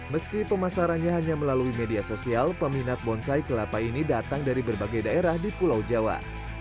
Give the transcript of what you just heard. meski pemasarannya hanya melalui media sosial peminat bonsai kelapa ini datang dari berbagai daerah di pulau jawa